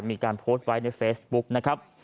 มีการโพสต์ไว้ในเฟซบุ๊กนะครับ